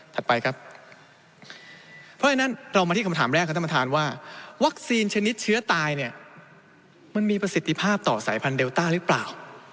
เพราะฉะนั้นเรามาที่คำถามแรกของท่านบันทานว่าวัคซีนชนิดเชื้อตายมันมีประสิทธิภาพต่อสายพันเดลต้าหรือเปล่า